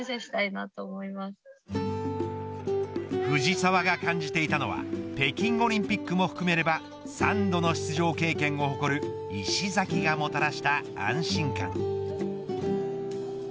藤澤が感じていたのは北京オリンピックも含めれば３度の出場経験を誇る石崎がもたらした安心感。